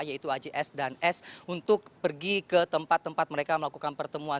yaitu ajs dan s untuk pergi ke tempat tempat mereka melakukan pertemuan